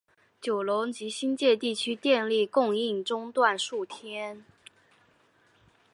九龙及新界地区电力供应中断数天。